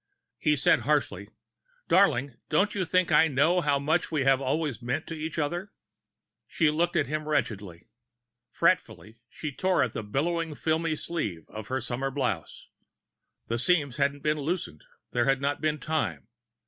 He said harshly: "Darling, don't you think I know how much we've always meant to each other?" She looked at him wretchedly. Fretfully she tore at the billowing filmy sleeve of her summer blouse. The seams hadn't been loosened; there had not been time.